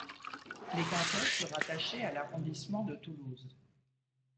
Les cantons furent rattachés à l'arrondissement de Toulouse.